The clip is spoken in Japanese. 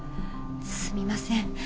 すみません。